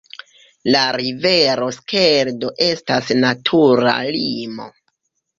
La rivero Skeldo estas natura limo.